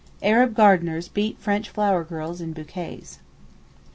Arab gardeners beat French flower girls in bouquets.